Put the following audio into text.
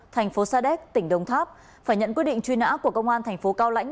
thành phố sa đéc tỉnh đồng tháp phải nhận quyết định truy nã của công an thành phố cao lãnh